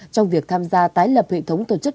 trong việc tham gia tái lập hệ thống tổ chức